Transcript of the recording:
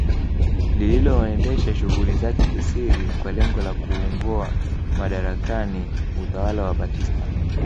Lililoendesha shughuli zake kisiri kwa lengo la kuungoa madarakani utawala wa Batista